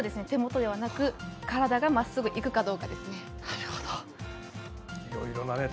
手元ではなく体がまっすぐいくかどうかですね。